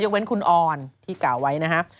เว้นคุณออนที่กล่าวไว้นะครับ